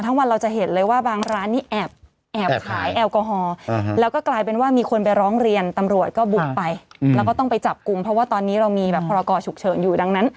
แต่ร้านค้ายังแบบขายแอลกอฮอล์ไม่ได้อยู่